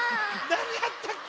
なにやったっけ。